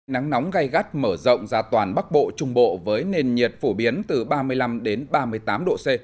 nắng nóng gai gắt mở rộng ra toàn bắc bộ trung bộ với nền nhiệt phổ biến từ ba mươi năm ba mươi tám độ c